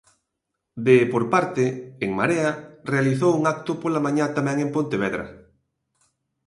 De por parte, En Marea realizou un acto pola mañá, tamén en Pontevedra.